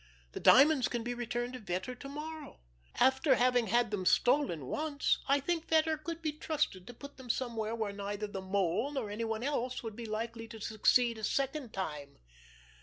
The diamonds can be returned to Vetter tomorrow. After having had them stolen once, I think Vetter could be trusted to put them somewhere where neither the Mole nor anyone else would be likely to succeed a second time."